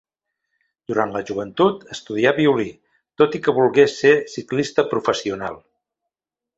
Durant la joventut, estudià violí, tot i que volgué ser ciclista professional.